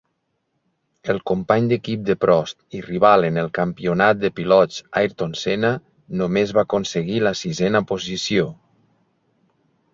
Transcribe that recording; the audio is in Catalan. El company d'equip de Prost i rival en el Campionat de Pilots, Ayrton Senna, només va aconseguir una sisena posició.